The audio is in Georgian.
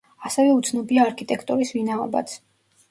ასევე უცნობია არქიტექტორის ვინაობაც.